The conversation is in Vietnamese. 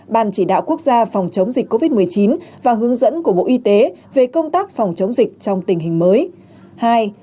ban chỉ đạo quốc gia phòng chống dịch covid một mươi chín và hướng dẫn của bộ y tế về công tác phòng chống dịch trong tình hình mới